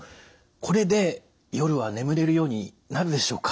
これで夜は眠れるようになるでしょうか？